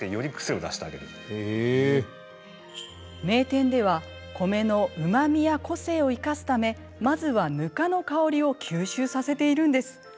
名店では米のうまみや個性を生かすためまずはぬかの香りを吸収させているんです。